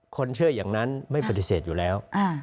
คนเชื่ออย่างนั้นไม่ปฏิเสธอยู่แล้ว